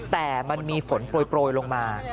แต่มันมีฝนโปรยลงมา